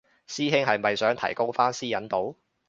師兄係咪想提高返私隱度